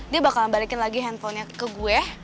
dia bakal balikin lagi handphonenya ke gue